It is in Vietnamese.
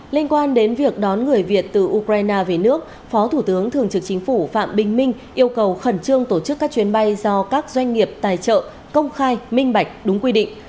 liên quan đến việc đón người việt từ ukraine về nước phó thủ tướng thường trực chính phủ phạm bình minh yêu cầu khẩn trương tổ chức các chuyến bay do các doanh nghiệp tài trợ công khai minh bạch đúng quy định